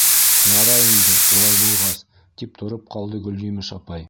- Ярай инде, улай булғас, - тип тороп ҡалды Гөлйемеш апай.